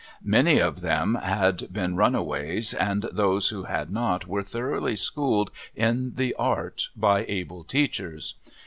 Many of them had been runaways, and those who had not were thoroughly schooled in the art by able teachers.